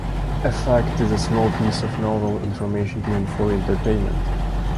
A fact is a small piece of novel information given for entertainment.